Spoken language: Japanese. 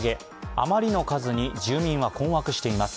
あまりの数に住人は困惑しています。